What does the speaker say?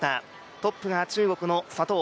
トップが中国の左トウ。